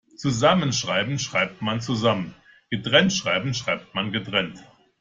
Zusammenschreiben schreibt man zusammen, getrennt schreiben schreibt man getrennt.